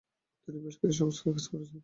তিনি বেশ কিছু সংস্কার কাজ করেছেন।